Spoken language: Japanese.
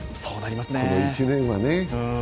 この１年はね。